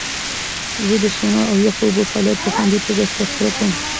زه د سونا او یخو اوبو فعالیت په خوندي توګه ترسره کوم.